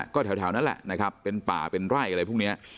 ก็แถวนั้นแหละนะครับเป็นป่าเป็นไร่อะไรพวกนี้